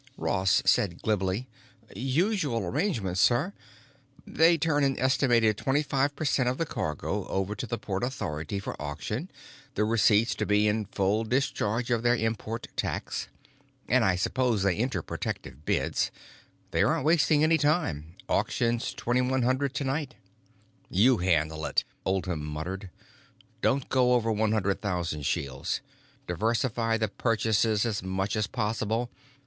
Ross said glibly: "Usual arrangement, sir. They turn an estimated twenty five per cent of the cargo over to the port authority for auction, the receipts to be in full discharge of their import tax. And I suppose they enter protective bids. They aren't wasting any time—auction's 2100 tonight." "You handle it," Oldham muttered. "Don't go over one hundred thousand shields. Diversify the purchases as much as possible.